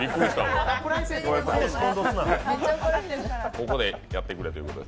ここでやってくれということで。